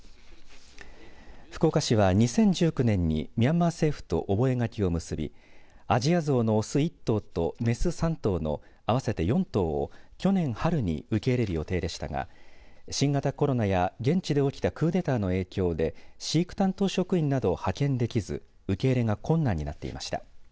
福岡市は２０１９年にミャンマー政府と覚書を結びアジアゾウの雄１頭と雌３頭の合わせて４頭を去年春に受け入れる予定でしたが新型コロナや現地で起きたクーデターの影響で飼育担当職員などを派遣できず受け入れが困難になっていました。